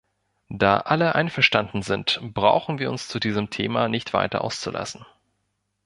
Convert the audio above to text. Da alle einverstanden sind, brauchen wir uns zu diesem Thema nicht weiter auszulassen.